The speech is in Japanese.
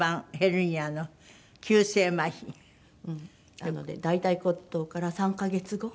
なので大腿骨頭から３カ月後。